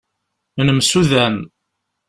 Nemsudan.